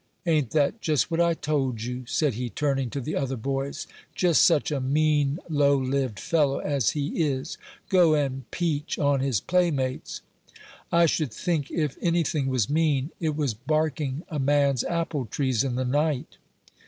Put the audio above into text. "Ain't that just what I told you?" said he, turning to the other boys; "just such a mean, low lived fellow as he is; go and peach on his playmates!" "I should think if anything was mean, it was barking a man's apple trees in the night."